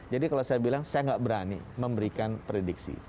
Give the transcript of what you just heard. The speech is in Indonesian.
jadi kalau saya bilang saya tidak berani memberikan prediksi